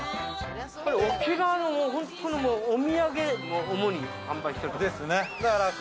沖縄のお土産主に販売してるとこ。